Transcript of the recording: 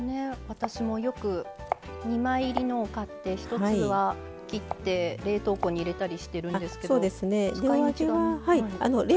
私もよく２枚入りのを買って一つは切って冷凍庫に入れたりしてるんですけど。